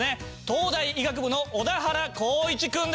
東大医学部の小田原光一君です。